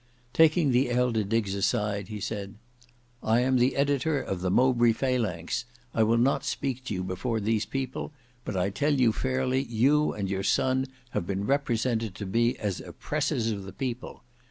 Taking the elder Diggs aside, he said, "I am the editor of the Mowbray Phalanx; I will not speak to you before these people; but I tell you fairly you and your son have been represented to me as oppressors of the people.